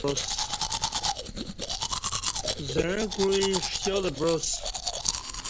زعں کوعی ݜیالہ بعا س